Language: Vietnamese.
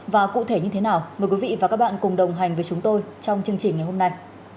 và cụ thể như thế nào mời quý vị và các bạn cùng đồng hành với chúng tôi trong chương trình ngày hôm nay